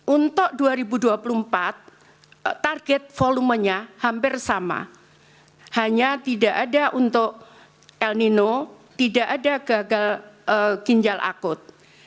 untuk dua ribu dua puluh empat target volumenya hampir sama hanya tidak ada untuk el nino tidak ada gagal ginjal akut